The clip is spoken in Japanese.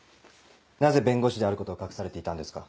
なぜ弁護士であることを隠されていたんですか？